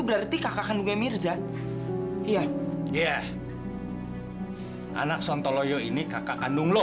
berarti kakak kandungnya mirza iya iya hai anak sontoloyo ini kakak kandung loh